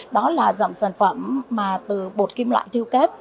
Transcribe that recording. đó là dòng sản phẩm từ bột kim loại thiêu kết